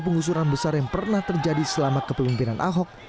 pengusuran besar yang pernah terjadi selama kepemimpinan ahok